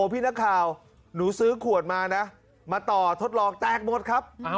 พี่นักข่าวหนูซื้อขวดมานะมาต่อทดลองแตกหมดครับ